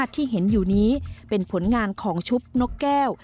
ที่เห็นอยู่นี้เป็นผลงานของชุบนกแก้ว